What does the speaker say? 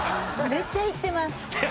めっちゃ言ってます。